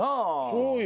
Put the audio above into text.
そうよ。